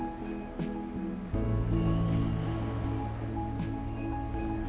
うん。